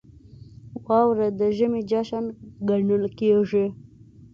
• واوره د ژمي جشن ګڼل کېږي.